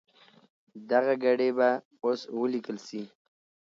دغه ګړې به اوس ولیکل سي.